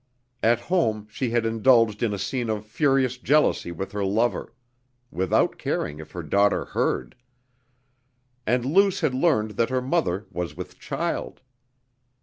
At home she had indulged in a scene of furious jealousy with her lover, without caring if her daughter heard; and Luce had learned that her mother was with child.